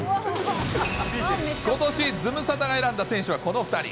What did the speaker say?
ことし、ズムサタが選んだ選手はこの２人。